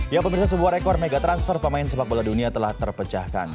ya pemirsa sebuah rekor mega transfer pemain sepak bola dunia telah terpecahkan